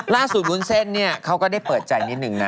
ล่าสุดวุ้นเส้นเขาก็ได้เปิดใจ